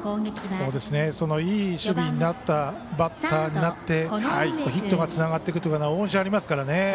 いい守備になったバッターになってヒットがつながっていくというのはありますからね。